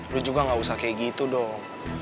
lu juga gak usah kayak gitu dong